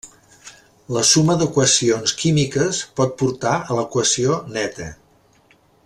La suma d'equacions químiques pot portar a l'equació neta.